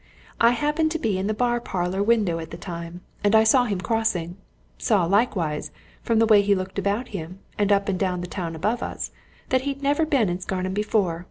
I happened to be in the bar parlour window at the time, and I saw him crossing saw, likewise, from the way he looked about him, and up at the town above us, that he'd never been in Scarnham before.